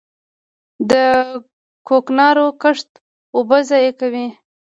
د کوکنارو کښت اوبه ضایع کوي.